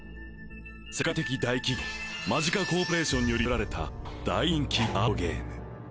世界的大企業マジカコーポレーションにより作られた大人気カードゲーム